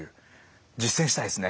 実践したいですね。